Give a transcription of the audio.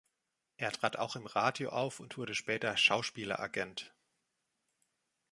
Er trat auch im Radio auf und wurde später Schauspieleragent.